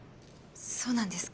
そうなんですか。